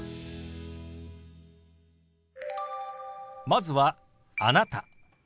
まずは「あなた」。